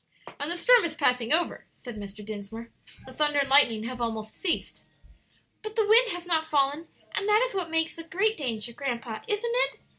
"And the storm is passing over," said Mr. Dinsmore; "the thunder and lightning have almost ceased." "But the wind has not fallen, and that is what makes the great danger, grandpa, isn't it?"